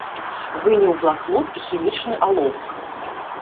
Выняў блакнот і хімічны аловак.